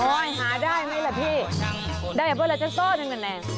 โอ้ยหาได้มั้ยแหละพี่ได้อย่าพูดว่าเราจะโซ่หนึ่งหนึ่งแหละ